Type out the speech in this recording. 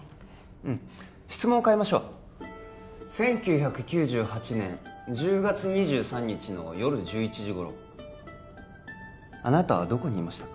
うん質問を変えましょう１９９８年１０月２３日の夜１１時頃あなたはどこにいましたか？